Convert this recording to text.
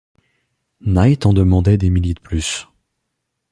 Knight en demandaient des milliers de plus.